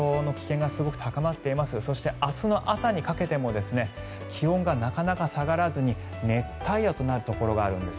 そして、明日の朝にかけても気温がなかなか下がらずに熱帯夜となるところがあるんです。